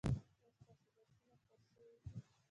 ایا ستاسو درسونه خلاص شوي دي؟